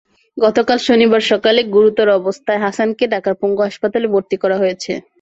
গতকাল শনিবার সকালে গুরুতর অবস্থায় হাসানকে ঢাকার পঙ্গু হাসপাতালে ভর্তি করা হয়েছে।